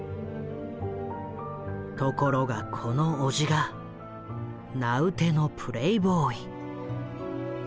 ところがこの伯父が名うてのプレーボーイ。